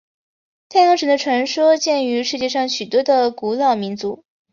太阳神的传说见于世界上许多的古老民族。